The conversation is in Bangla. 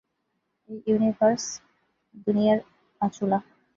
এই ইউনিভার্স দুনিয়ার আচুলা!